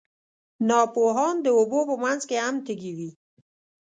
ناپوهان د اوبو په منځ کې هم تږي وي.